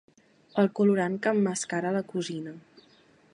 El colorant que emmascara la cosina.